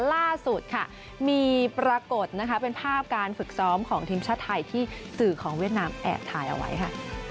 ล่าสุดค่ะมีปรากฏนะคะเป็นภาพการฝึกซ้อมของทีมชาติไทยที่สื่อของเวียดนามแอบถ่ายเอาไว้ค่ะ